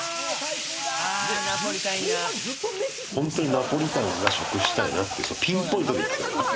ほんとにナポリタン食したいなって時、ピンポイントでいく。